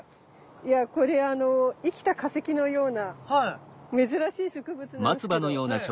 いやこれあの生きた化石のような珍しい植物なんすけど。